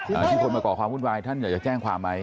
ที่คนมาก่อความวุ่นวายท่านอยากจะแจ้งความไหม